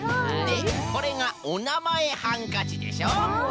でこれがおなまえハンカチでしょ。